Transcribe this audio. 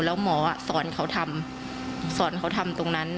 แล้วหมอสอนเขาทำสอนเขาทำตรงนั้น